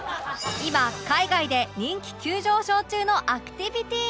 今海外で人気急上昇中のアクティビティー